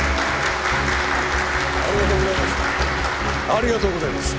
ありがとうございます。